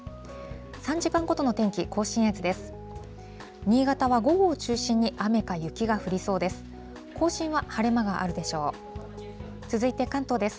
３時間ごとの天気、甲信越です。